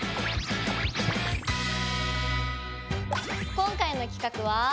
今回の企画は？